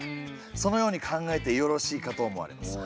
そのように考えてよろしいかと思われます。